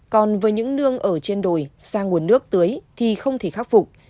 còn với những nương ở trên đồi sang nguồn nước tưới thì không thể khắc phục